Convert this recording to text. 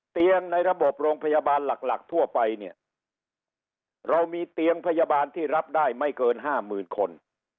ในระบบโรงพยาบาลหลักหลักทั่วไปเนี่ยเรามีเตียงพยาบาลที่รับได้ไม่เกินห้าหมื่นคน